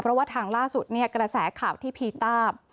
เพราะว่าทางล่าสุดเนี่ยกระแสข่าวที่พีต้า